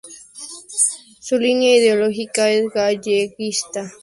Su línea ideológica es galleguista, federalista y socialdemócrata.